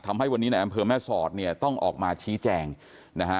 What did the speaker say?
ทำให้วันนี้ในอำเภอแม่สอดเนี่ยต้องออกมาชี้แจงนะฮะ